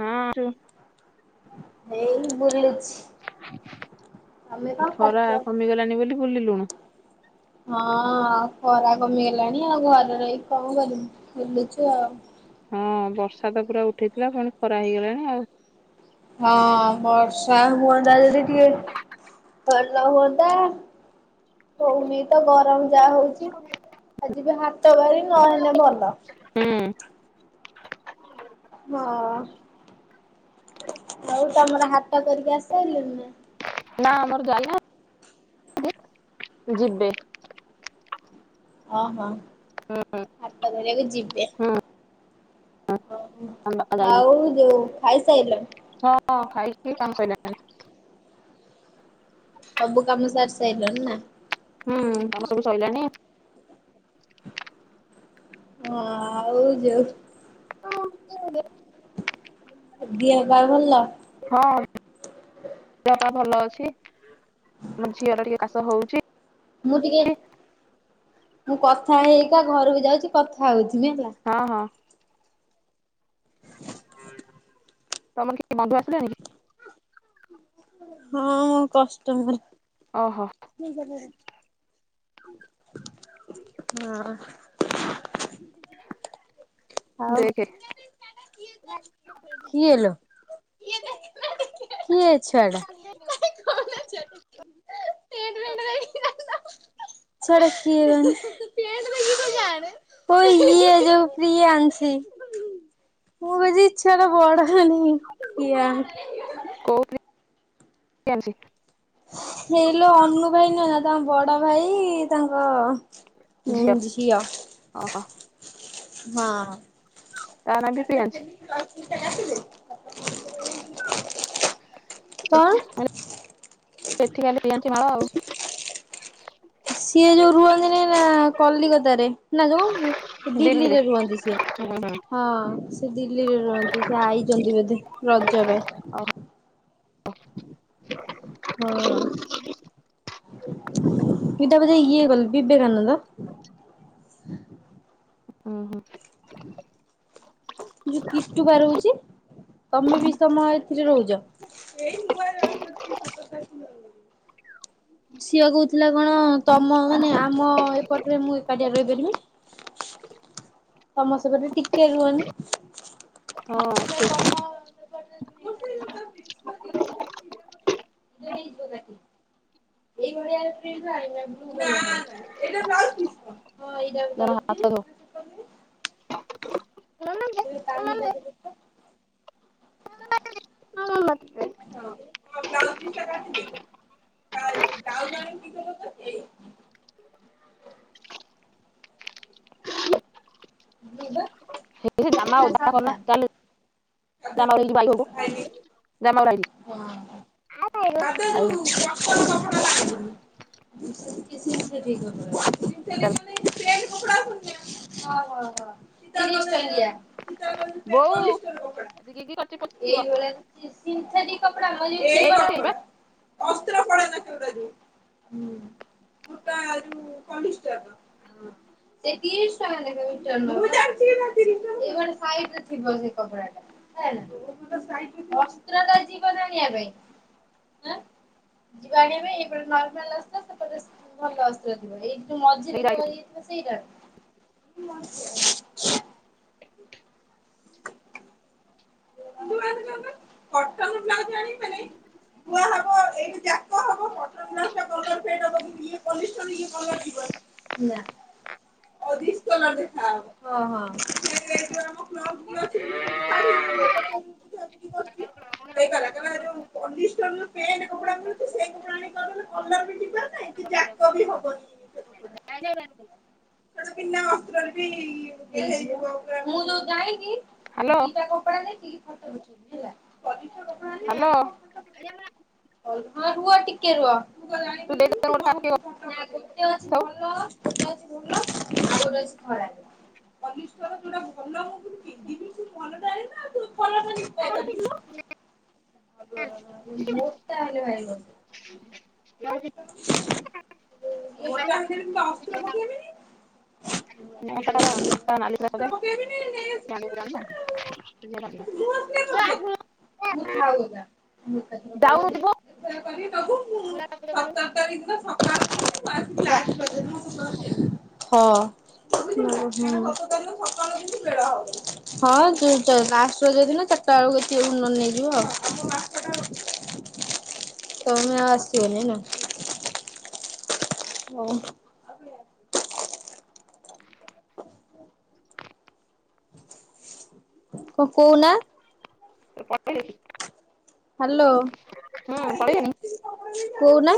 ହଁ ନ ବୁଲିଲୁ କଣ ଖରା କରୁଛ? କମିଗଲାଣି ବୋଲି ବୁଲିଲୁଣି। ହଁ ଖରା କମିଗଲାଣି ଆଉ ଘରେ ରହି କଣ ବୁଲୁଛୁ ଆଉ ହହୁଁ ବର୍ଷା ତ ପୁରା ଉଠେଇଥିଲା ପୁଣି ଖରା ହେଇଗଲାଣି ଆଉ ହଁ ବର୍ଷ କା ହୁଅନ୍ତା ଯଦି ଟିକେ ଭଲ ହୁଅନ୍ତା। ହଉନି ତ ଗରମ ଯାହା ହଉଛି ଆଜି ବି ହାତ ବାହାରି ନହେଲେ ଭଲ। ହୁଁ ହଁ ଆଉ ତମର ହାଟ କରିକି ଆସିାରିଲଣି। ନା ଆମର ଜାଇନାହାନ୍ତି ଯିବେ। ଓ ହୋ ହୁଁ ହାଟ ବେଳେ ବି ଯିବେ। ହୁଁ ଓହୋ ଆମ ବାପା ଯାଇନାହାନ୍ତି। ଆଉ ଯୋଉ ଖାଇସାରିଲ। ହଁ ଖାଇ ସାରିକି କାମ ସରିଲାଣି। ସବୁ କାମୁ ସାରି ସାରିଲଣି ନା। ହୁଁ କାମ ସବୁ ସରିଲାଣି। ହଁ ଆଉ ଯୋ [unintelligible] ଦିହ ପା ଭଲ। ହଁ। ଦେହ ଭଲ [inaudible] ଅଛି [inaudible] ଆମର ଝିଅର ଟିକେ କାସ ହଉଛି। ମୁଁ ଟିକେ ମୁଁ କଥା ହେଇକା ଘରକୁ ଯାଉଛି କଥା ହଉଛି। ହଁ ହଁ। ତମର କିଏ ବନ୍ଧୁ ଆସିଲେଣି କି? ହଁ ମୋ କଷ୍ଟମ୍ବର। ଓହୋ। [unintelligible] ହଁ। [inaudible] ଆଉ ଦେଖେ [inaudible] କିଏ ଲୋ। କିଏ ଏ ଛୁଆଟା? ଛୁଆଟା କିଏ [unintelligible] ସେଟା କିିଏ କହନି। ଓ ଇଏ ଯଉ ପ୍ରିଆ। ମୁଁ କହୁଚି ଏଇ ଛୁଆଟା ବଡ। କିଏ ଆଉ। [unintelligible] ହେଇଲ ଅନୁ ଭାଇ ନୁହ ନା ତାଙ୍କ ବଡ ଭାଇ ତାଙ୍କ ହୁଁ ଝିଅ। ଓହୋ [inaudible] ହଁ। ତା ନା ବି ପ୍ରିୟାନ୍ସୀ। [unintelligible] କଣ [unintelligible] ଭଳ ଆଉ। ସିଏ ଯୋଉ ରୁହନ୍ତିନି ନା କଲିକତାରେ ନା ଯୋଉ ଦିଲ୍ଲୀରେ ରୁହନ୍ତି ସିଏ ହୁଁ ହୁଁ ହଁ। ସେ ଦିଲ୍ଲୀରେ ରୁହନ୍ତି ସେ ଆଇଛନ୍ତି ବୋଧେ ରଜ ଓହୋ। ପାଇଁ। ହଁ। [inaudible] ଟ ବଜା ଇଏ ଗଲ ବିବେକାନନ୍ଦ। [inaudible] ଉଁ ହୁଁ। [inaudible] ଯୋଉ କିଟୁ ପା ରହୁଛି। ତମେ ବି ତମ ଏଥିରେ ରହୁଛ। ସିଅ କହୁଥିଲା କଣ ତମ ମାନେ ଆମ ଏପଟରେ ମୁଁ ଏକାଟିଆ ରହିପାରିବି। ତମ ସେପଟେ ଟିକେ ରୁହନି। ହଁ ଠିକ୍। ଏଇଭଳିଆ ପ୍ରିଣ୍ଟ ଗୁଡା ହଁ ଏଇଟା ପା ଧର ବ୍ଲାଉଜ୍ ହାତ ଧୋ ପିସ୍। ସେ ଦ ପାଣି ଗଛ [unintelligible] ହଁ ବ୍ଲାଉଜ ପିସ୍ ଟା କାଟିି ଦେ। ବ୍ଲାଉଜ୍ ଆଣିକି ପଛି ଏଇ ହଁ ବା। ସେଇ ଜାମା ପୁରା ଓଦା ହବନା ସାଧା। ଚାଲେ। ସାଧା ଜାମା ବାଲି ବ୍ଲାଉଜ ହବ। ଭାଇ ହଁ। ଜାମା ତା ଦେହରେ ଯୋଉ କଟନ କିଛି ଜିନିଷ ଚାଲ ଠିକ ହବନି। [unintelligible] ଚ୍ର [unintelligible] ହଁ ହଁ ତା ପଲିସ ବୋଉ ଏଇଭଳିଆଛି ଏତିକି କି ଅଛି କରିଚି ପୋଛିବ ସେ ସୋର କ [unintelligible] ଏଇଠି ଏଇ ବା କପଡ଼ା ଅସ୍ତ୍ର କୁଆଡେ ଗଲା ସେଇଟା ଯୋଉ ହୁଁ ସୁତାରୁ ପଲିଷ୍ଟର ମୁଁ ଜାଣିନଥିଲି ସେ ସାଇଟ ରେ ଥିବ। ଅସ୍ତ୍ର ଯିବନ ଆଣିବା ପାଇଁ ଯ ଆଣିବା ପାଇଁ ଏପଟେ ନର୍ମାଲ ଅସ୍ତ୍ର ସେପଟେ ଭଲ ଅସ୍ତ୍ର ଥିବ ଏଇ ଯୋଉ ନେଇକି ମଝିରେ ଯା ଯଉ ଇଏ ଥିବ ସେଇଟା। [unintelligible] [unintelligible] କଟନ ବ୍ଲାଉଜ ଆଣିବି ବୋଲି ଥୁଆ ହବ ଏଇ ଯାକ ହବ ନା କଲର ଫେଡ ହବ। ପଲିଷ୍ଟରରୁ ଏ କଲର ଯିବନି ନା ଡିସ କଲର ଦେଖା ହବ ହଁ ହଁ। ଏଉ ଆମ ଫ୍ରକ୍ ବି ଅଛି ଶାଢ଼ୀ। ସେ ଯଉ ବୁଝା ବୁଝି କରୁଛି ସେଇ କହିଲା ଯଉ ପଲିଷ୍ଟର ପେଣ୍ଟ କପଡା ମିଳୁଛି ସେ କପଡା ଆଣିକି କରିଦେଲେ କଲର ବି ଯିବନି ନାଁ ଯାକ ବି ହବନି ସେ କପଡା ଏଇଠି। ସେ ବିନା ବିନା ଅସ୍ତ୍ରରରେ ବି ମୁଁ ଯୋଉ ଯାଇ ନେଇକି ହାଲୋ ଦିଟା କପଡା ନେଇି ହେଲା। ହ୍ୟାଲୋ। ହଁ ରୁହ ଟିକେ ରୁହ। ତୁ ତ ଜାଣି ଦେଇ ପାରିବୁନି ଦଉନୁ ତୁ ଗୋଟେ କାହାକୁ ମତେ କିଏ ପୁଣି ଫୋଟୋ ପଠେଇବୁ ଆଗକୁ ଅଛି କରିଥାଉ ଭଲ। କତେ ଅଛି ଦଉନ। ଆଉ ଗୋଟେ ଅଛି ଧଳା। ପଲିଷ୍ଠର ଯୋଉରା ଭଲ ହବୁ [inaudible] [unintelligible] [unintelligible] ମୋଟା ହେଲେ ମୁଁ ତ ଅସ୍ତ୍ର ପକେଇବିନି। [unintelligible] ପକେଇବେନି ନେଇ ଆସିବୁ ତୁ ଆଣିବୁ ଭାରି ଆଉ। ନୂଆ [unintelligible] ସିଲେଇ କରିଦେ। ମୁଁ ଏକାଥର କହିବି ଡାଉନୁ ଦେ। ଯିବୁ ଏଥର କରିକି ଦବୁ ମୁଁ ସତର ତାରିଖ ଦିନ ସକାଳୁ ଯିବି ମୁଁ ଯା। ହଁ ହୁଁ। ହୁଁ ହଁ ଚୁ ଚ ଲାଷ୍ଟ ରଜ ଦିନ ଚାରଟା ବେଳକୁ କେଉନୁ ନହେଲେ ନେଇଯିବ। ତମେ ଆସିିବନି ନା। ହୋଉ। କଣ କୋହୁନ। [unintelligible] ହାଲୋ ହୁଁ ପଳେଇଲେଣି କୋହୁନ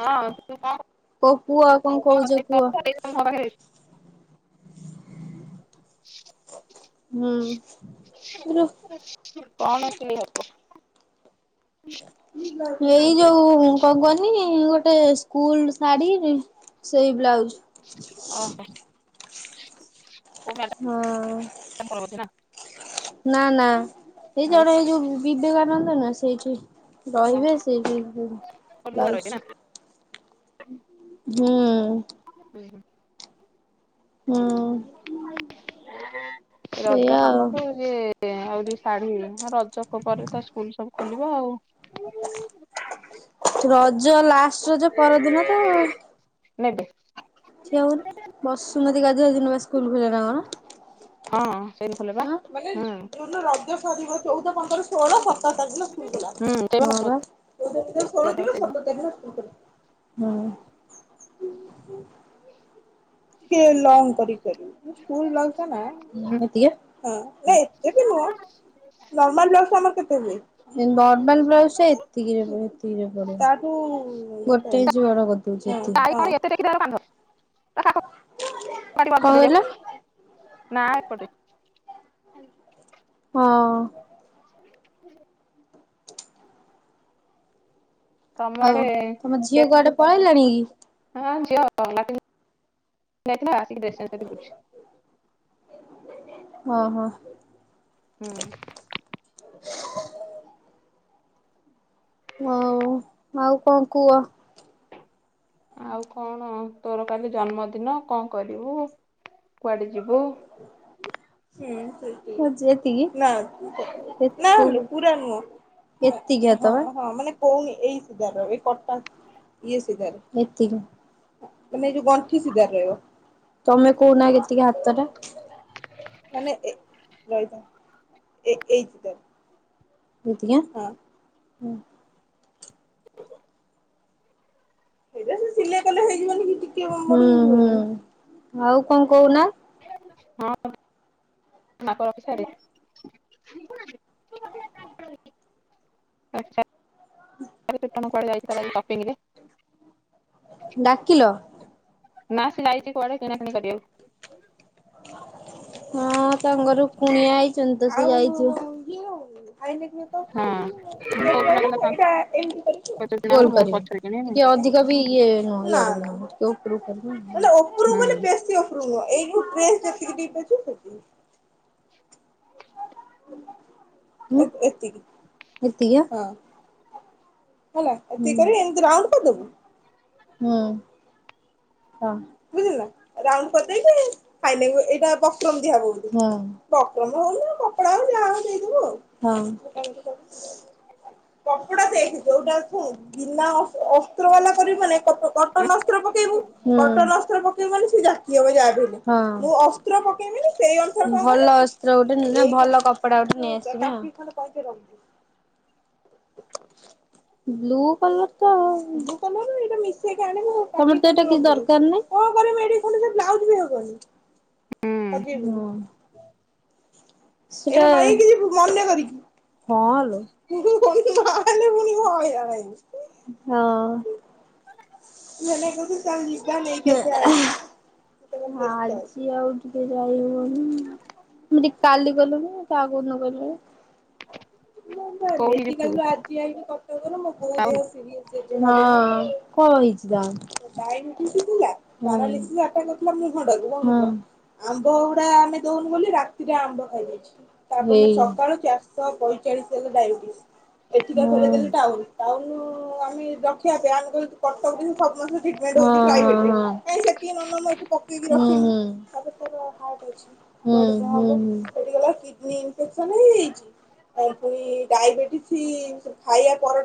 ହଁ ତୁ କଣ କୁଅ କଣ କହୁ କୁଅ। ଅଛି ମୋ ପାଖରେ [inaudible] ହୁଁ। [inaudible] କଣ କି ହବ? ଏଇ ଯୋଉ କଣ କୁହନି ଗୋଟେ ସ୍କୁଲ ଶାଢୀରି ସେଇ ବ୍ଲାଉଜ। ଓହୋ କୋଉ ମ୍ୟାଡାମ ଙ୍କର ବୋଧେ ନା ହଁ। ନା ନା। ସେ ଆଉ ଜଣେ ଏଇ ଯୋଉ ବିବେକାନନ୍ଦ ନା [inaudible] ରହିବେ ହଁ ସେଇ ନୂଆ ବ୍ଲାଉଜ ରହିବେ ନା ହୁଁ। [inaudible] ହଁ। ରଦ କାମକୁ ଇଏ ଏଇ ଶାଢୀ ହଁ ରଜ କ ପରେତ ସ୍କୁଲ ସବୁ ଖୋଲିବ ଆଉ। ରଜ ଲା ସଜ ପରଦିନ ତ। ନେବେ। ସେ ଆଉ ବସୁମତୀ ଗାଧୁଆ ଦିନ ବା ସ୍କୁଲ ଖୋଲି ଲା ନା ହଁ ସେଇ ଖୋଲେ ବା କଣ? ମାନେ ହୁଁ ଯୋଉ ରଜ ସରିବ ଚଉଦ ପନ୍ଦର ଷୋହଳ ସତର ତାରିଖରେ ସ୍କୁଲ ହୁଁ ସେଇ ବା ଖୋଲିବ। ସେଇଦିନ [unintelligible] [inaudible] ଟିକେ ଲଙ୍ଗ କରି [unintelligible] ହୁଁ ଏତେ ହୁଁ ବି ନୁହଁ ନର୍ମାଲ ଆମ [inaudible] ବରବାଲ ବ୍ଲାଉସୁ ଟା ଏତିକି ରେ ପଡିବ ଏତିକି ରେ ପଡିବ। ତା ଠୁ ଗୋଟେ ଯୁଆର ବୋ ତାଇ [unintelligible] କଣ ଏତେ ଟକି ଦର କାନ୍ଦ [inaudible] କହିଲ ନାଁ ଏପଟେ। ହଁ। [inaudible] ତମ ଆଡେ ହଉ ତମ ଝିଅ କୁଆଡେ ପଳେଇଲାଣି କି? ଥିଲା [unintelligible] ଆ ହଁ ହଁ। ହୁଁ। [inaudible] ହଉ ଆଉ କଣ କୁଅ। ଆଉ କଣ ତୋର କାଲି ଜନ୍ମଦିନ କଣ କରିବୁ କୁଆଡେ ଯିବୁ। ହୁଁ ସେ [unintelligible] ହଛି ଏତିକି ନା। ସେନା [unintelligible] ହେଲୁ ପୁରା ନୁହ। ଏତିକି ତମ ହଁ ମାନେ କହୁ ଏଇ ସିଧାର ଏ କଟା ଇଏ ସିଧାରେ। ମାନେ ଏଇ ଯୋଉ ଗଣ୍ଠି ସିଧା ରହିବ। ତମେ କୋହୁନା କେତିକି ହାତଟା। ମାନେ ଏ ରହିଥ ଏ ଏଇ ଚିଧାରୁ। ଯଦିଆ ହ। ସେଇଟା ସେ ସିଲେଇ କଲେ ହେଇଯିବ ନୀ କି ଟିକେ ହୁଁ ହୁଁ। ଆଉ କଣ କହୁନ। ହଁ। [unintelligible] କଟଣ [unintelligible] [unintelligible] ଡାକିଲ। ନା ଯାଇଛି କୁଆଡ଼େ କିଣା କିଣି କରିବାକୁ। ହଁ। ସାଙ୍ଗରୁ କୁଣିଆ ହେଇଛନ୍ତି ତ ସ [unintelligible] ଯାଇ ଗୋଲ ହଁ। ବୋଉ କହିଲା ତାଙ୍କ ପଛରେ କିଣା ହବ ମୋ କରିବୁ ପଛରେ କିଣିବା ହୁଁ ଟିକେ ଅଧିକ ବି ଇଏ ନୁହନ୍ତି। ନାଁ [unintelligible] କେଉ ଉପରକୁ କରିବ। ମାନେ ଉପରୁ ବେ ବେଶୀ ଉପରୁ ନୁହଁ। ଏଇ ଯୋ ଡ୍ରେସ ଦେଖିକି। [inaudible] ଏତିକି ଏତିକି ଆଁ ହଁ ହେଲା ଏ ଦି କରି ଏମିତି ରାଉଣ୍ଡ କରି ଦେବୁ [unintelligible] ଅସ୍ତ୍ର ବାଲା କରିବୁ ମାନେ କଟନ ଅସ୍ତ୍ର ପକେଇବୁ [unintelligible] ମାନେ ସେ ଜାତୀୟବ ଯାହ ମୁଁ ଅସ୍ତ୍ର ପକେଇବି। ଭଲ ଅସ୍ତ୍ର ଗୋଟେ ନ ଭଲ କ କପଡ଼ା ଗୋଟେ ନେଇ ବ୍ଲୁ କଲର ଟା ବ୍ଲୁ କଲର ଏଇଟା ମିସେଇକି ଆଣିବି ତମର ତ ଏଇଟା କିଛି ଦରକାର ନାହିଁ ମୁଁ କଣ କରିବି [unintelligible] ସେ ବ୍ଲାଉଜ ବି ହବନି ଉଁ [unintelligible] ମାନେ କରିକି ହଁ ଲୋ ନହଲେ ମୁଣିି ହ ଆଇ ହଁ ଛି ଆଉ ଟିକେ ଯାଇ ହବନିମେ ଟିକେ କାଲି ଗଲୁଣି କହାକୁ ନ କଲୁ କଉଠି କାୁ ଆଜି ଆଇକି କଟକରୁ ମୁଁ ବହୁତ ଦେହ ସିରିଏସ୍ ମୁ ଆମ୍ବ ଗୁଡା ଆମେ ଦଉନୁ ରାତିରେ ଆମ୍ବ ଖାଇାଇ ସକାଳୁ ଚାରିଶହ ପଁଚାଳିଶ ହେଲା ଡବେ ମେ ରଖିବା ପାଇଁମେଟକ ଅଠବେ ଖାଇବା ପରଟା